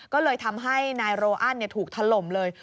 ก็เลยทำให้นายโรอันถูกถล่มเลย